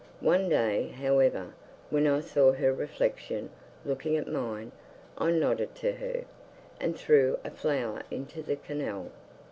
One day, however, when I saw her reflection looking at mine, I nodded to her, and threw a flower into the canal.